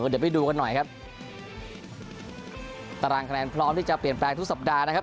เดี๋ยวไปดูกันหน่อยครับตารางคะแนนพร้อมที่จะเปลี่ยนแปลงทุกสัปดาห์นะครับ